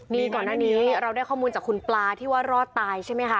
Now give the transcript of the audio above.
ดีกว่านานนี้เราได้ข้อมูลจากคุณปลารรท์ตายใช่ไหมคะ